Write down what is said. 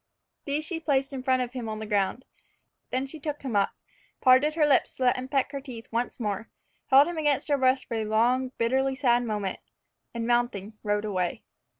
These she placed in front of him on the ground. Then she took him up, parted her lips to let him peck her teeth once more, held him against her breast for a long, bitterly sad moment, and mounting, rode away.